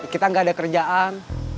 kita gak ada kerjaan